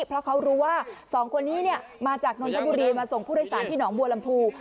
เพราะเขารู้ว่าสองคนนี้มาจากนนทบุรีมาส่งผู้โดยสารที่หนองบัวลำพู